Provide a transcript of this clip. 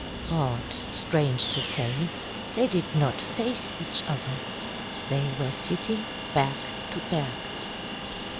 But, strange to say, they did not face each other. They were sitting back to back.